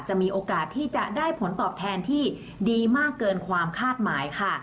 มีโอกาสที่จะได้ผลตอบแทนที่ดีมากเกินความคาดหมายค่ะ